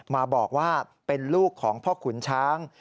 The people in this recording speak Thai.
มาบอกว่าเป็นลูกของพ่อขุนช้าง